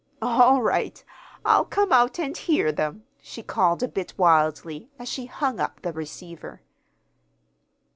"All right, I'll come out and hear them," she called a bit wildly, as she hung up the receiver.